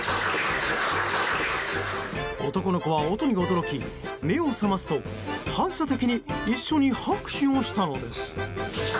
男の子は音に驚き、目を覚ますと反射的に一緒に拍手をしたのです。